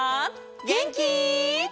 げんき？